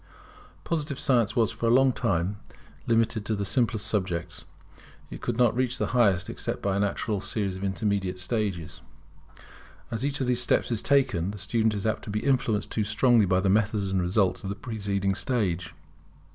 Positive science was for a long time limited to the simplest subjects: it could not reach the highest except by a natural series of intermediate steps. As each of these steps is taken, the student is apt to be influenced too strongly by the methods and results of the preceding stage.